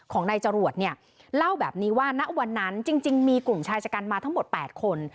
ของนายจรวดเนี่ยเล่าแบบนี้ว่าณวันนั้นจริงมีกลุ่มชายชะกันมาทั้งหมด๘คน